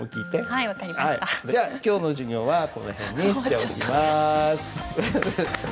じゃあ今日の授業はこの辺にしておきます。